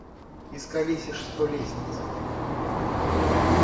Исколесишь сто лестниц.